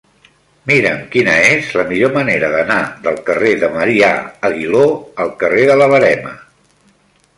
Mira'm quina és la millor manera d'anar del carrer de Marià Aguiló al carrer de la Verema.